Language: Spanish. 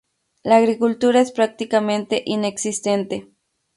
La agricultura es prácticamente inexistente.